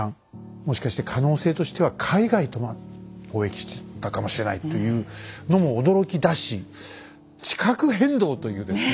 もしかして可能性としては海外とも交易してたかもしれないというのも驚きだし地殻変動というですね